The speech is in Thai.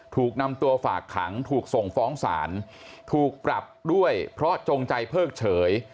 ถูกนำตัวฝากขังถูกส่งฟ้องศาลถูกปรับด้วยเพราะจงใจเพิกเฉย